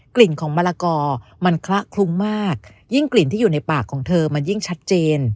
กลิ่นของมะละกอมันคละคลุ้งมากยิ่งกลิ่นที่อยู่ในปากของเธอมันยิ่งชัดเจน